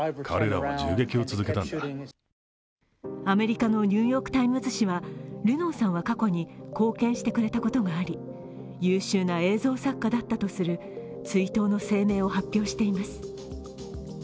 アメリカの「ニューヨーク・タイムズ」紙は、ルノーさんは過去に貢献してくれたことがあり優秀な映像作家だったとする追悼の声明を発表しています。